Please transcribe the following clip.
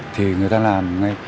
thì người ta làm ngay